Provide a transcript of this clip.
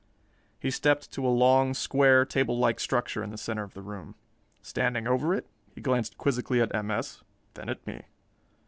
He stepped to a long, square table like structure in the center of the room. Standing over it, he glanced quizzically at M. S., then at me.